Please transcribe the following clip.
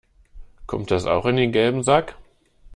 Kommt das auch in den gelben Sack?